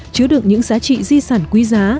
chứa được những giá trị di sản quý giá